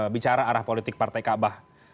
bicara arah politik partai kaabah